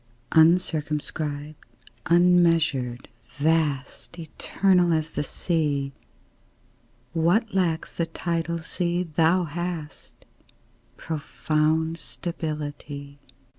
UNCIRCUMSCRIBED, unmeasured, vast, Eternal as the Sea; What lacks the tidal sea thou hast Profound stability.